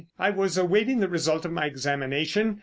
"I was awaiting the result of my examination.